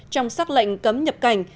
trong sắc lệnh cấm nhập cảnh